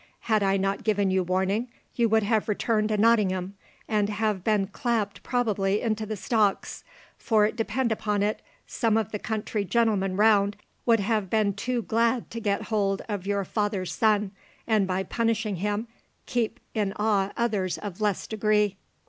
Had I not given you warning, you would have returned to Nottingham, and have been clapped probably into the stocks; for depend upon it some of the country gentlemen round would have been too glad to get hold of your father's son, and by punishing him, keep in awe others of less degree."